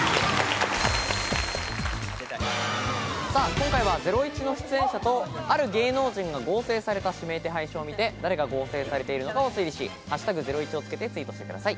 今回は『ゼロイチ』の出演者とある芸能人が合成された指名手配書を見て誰が合成されているのかを推理し「＃ゼロイチ」をつけてツイートしてください。